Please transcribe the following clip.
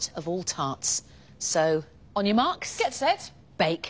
ベイク！